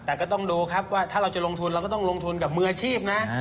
แต่ก็ต้องดูครับว่าถ้าเราจะลงทุนเราก็ต้องลงทุนกับมืออาชีพนะ